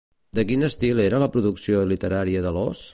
De quin estil era la producció literària d'Alós?